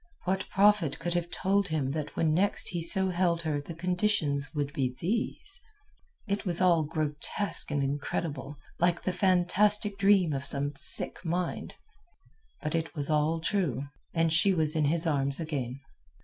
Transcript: What prophet could have told him that when next he so held her the conditions would be these? It was all grotesque and incredible, like the fantastic dream of some sick mind. But it was all true, and she was in his arms again.